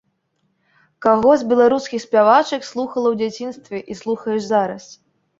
Каго з беларускіх спявачак слухала ў дзяцінстве і слухаеш зараз?